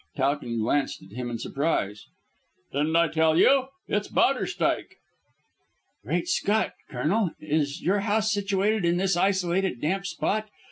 Towton glanced at him in surprise. "Didn't I tell you? It's Bowderstyke." "Great Scott, Colonel, is your house situated in this isolated, damp spot.